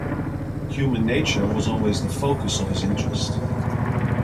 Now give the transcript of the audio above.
Human nature was always the focus of his interest.